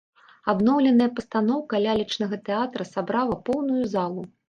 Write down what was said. Адноўленая пастаноўка лялечнага тэатра сабрала поўную залу.